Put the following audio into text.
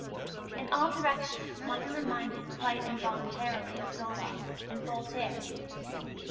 In all directions one is reminded quite involuntarily of Zola and Voltaire.